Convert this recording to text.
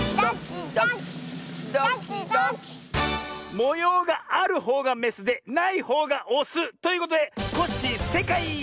もようがあるほうがメスでないほうがオスということでコッシーせいかい！